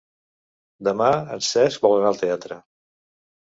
Demà en Cesc vol anar al teatre.